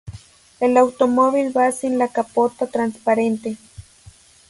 El automóvil va sin la capota transparente.